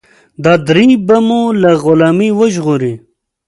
دا درې به مو له غلامۍ وژغوري.